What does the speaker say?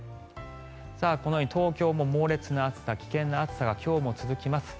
このように東京も猛烈な暑さ危険な暑さが今日も続きます。